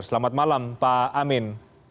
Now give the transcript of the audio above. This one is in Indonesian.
selamat malam pak amin